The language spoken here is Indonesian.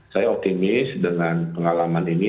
saya optimis dengan pengalaman ini